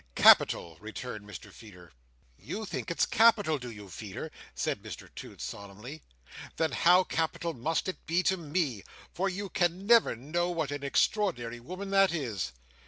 "Capital!" returned Mr Feeder. "You think it's capital, do you, Feeder?" said Mr Toots solemnly. "Then how capital must it be to Me! For you can never know what an extraordinary woman that is."